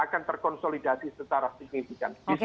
akan terkonsolidasi secara signifikan